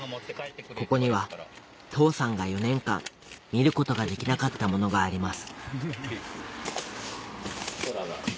ここには父さんが４年間見ることができなかったものがあります